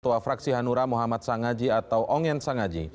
tua fraksi hanura muhammad sanghaji atau ongen sanghaji